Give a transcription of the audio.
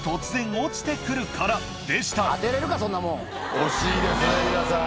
惜しいですね皆さん。